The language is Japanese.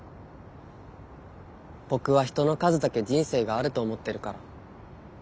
ボクは人の数だけ人生があると思ってるから。